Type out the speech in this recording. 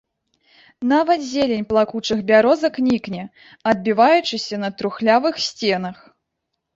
Нават зелень плакучых бярозак нікне, адбіваючыся на трухлявых сценах.